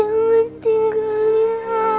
jangan tinggalin aku